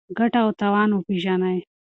ګټه او تاوان وپېژنئ.